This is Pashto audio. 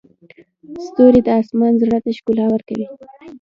ستوري د اسمان زړه ته ښکلا ورکوي.